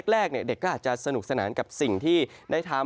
แรกเด็กก็อาจจะสนุกสนานกับสิ่งที่ได้ทำ